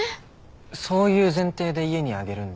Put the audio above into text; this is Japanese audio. そういう前提で家に上げるんですか？